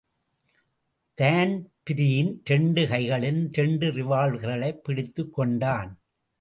Dan Breen இரண்டு கைகளிலும் இரண்டு ரிவால்வர்களைப் பிடித்துக்கொண்டான்.